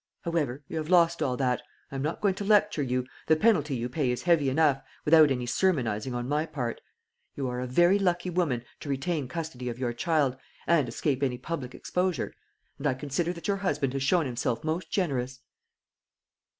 However, you have lost all that. I am not going to lecture you the penalty you pay is heavy enough, without any sermonising on my part. You are a very lucky woman to retain custody of your child, and escape any public exposure; and I consider that your husband has shown himself most generous."